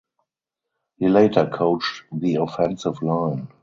He later coached the offensive line.